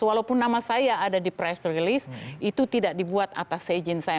walaupun nama saya ada di press release itu tidak dibuat atas seizin saya